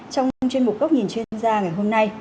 trong chương trình một góc nhìn chuyên gia ngày hôm nay